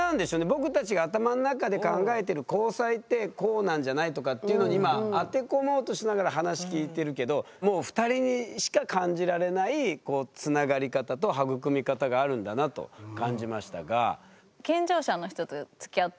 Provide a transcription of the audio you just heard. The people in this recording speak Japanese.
僕たちが頭の中で考えてる交際ってこうなんじゃない？とかっていうのに今当て込もうとしながら話聞いてるけどもう２人にしか感じられないつながり方と育み方があるんだなと感じましたが。